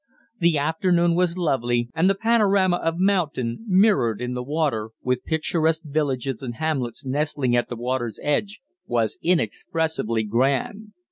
The afternoon was lovely, and the panorama of mountain mirrored in the water, with picturesque villages and hamlets nestling at the water's edge, was inexpressibly grand.